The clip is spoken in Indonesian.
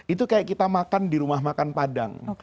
itu kayak kita makan di rumah makan padang